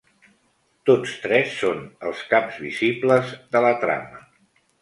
Tots tres són els caps visibles de la trama.